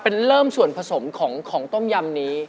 เป็นเริ่มส่วนผสมของต้มยำนี้